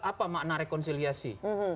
apa makna rekonsiliasi